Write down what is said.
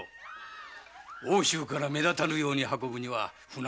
奥州から目立たぬように運ぶには船便が最適。